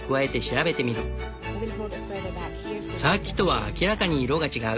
さっきとは明らかに色が違う。